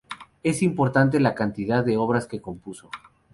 Es importante la cantidad de obras que compuso.